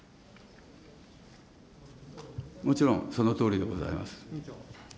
もちろん、そのとおりでございます。